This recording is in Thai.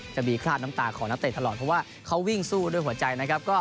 จะมีคราบน้ำตาของนักเตะตลอดเพราะว่าเขาวิ่งสู้ด้วยหัวใจนะครับ